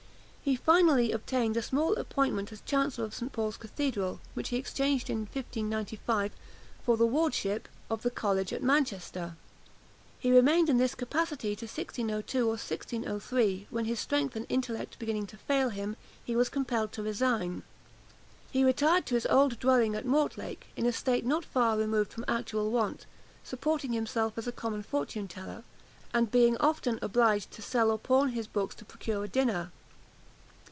He finally obtained a small appointment as Chancellor of St. Paul's cathedral, which he exchanged, in 1595, for the wardenship of the college at Manchester. He remained in this capacity till 1602 or 1603, when, his strength and intellect beginning to fail him, he was compelled to resign. He retired to his old dwelling at Mortlake, in a state not far removed from actual want, supporting himself as a common fortune teller, and being often obliged to sell or pawn his books to procure a dinner.